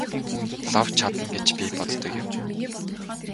Лав чадна гэж би боддог юм.